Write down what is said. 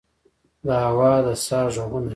د هوا د سا ه ږغونه مې